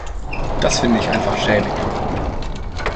Das finde ich einfach schäbig.